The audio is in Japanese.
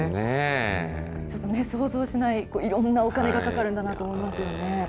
ちょっと想像しない、いろんなお金がかかるんだなと思いますよね。